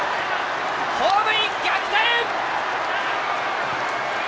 ホームイン！逆転！